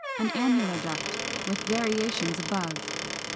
An annular duct, with variations above.